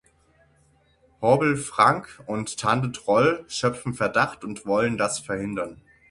Hobble-Frank und Tante Droll schöpfen Verdacht und wollen das verhindern.